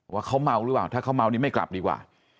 ว่าเขาเมาหรือเปล่าถ้าเขาเมานี่ไม่กลับดีกว่า